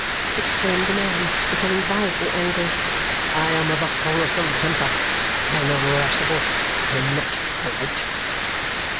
exclaimed the man, becoming violently angry. "I am of a quarrelsome temper. I am irascible. I am not polite!"